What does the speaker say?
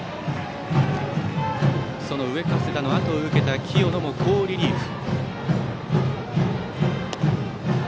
その上加世田のあとを受けた清野も好リリーフ。